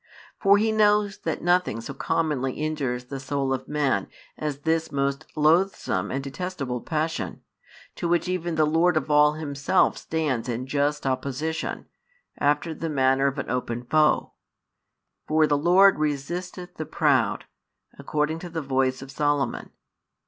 For He knows that nothing so commonly injures the soul of man as this most loathsome and detestible passion, to which even the Lord of all Himself stands in just opposition, after the manner of an open foe; for the Lord resisteth the proud, according to the voice of Solomon.